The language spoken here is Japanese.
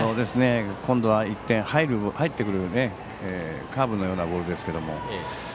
今度は一転、入ってくるカーブのようなボールですけども。